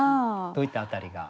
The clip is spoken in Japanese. どういった辺りが？